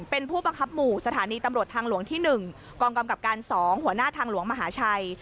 เป็นผู้บังคับหมู่สถานีตำรวจทางหลวงที่๑กองกำกับการ๒หัวหน้าทางหลวงมหาชัย